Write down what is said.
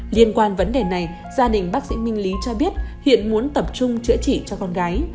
liên quan vấn đề này gia đình bác sĩ minh lý cho biết hiện muốn tập trung chữa trị cho con gái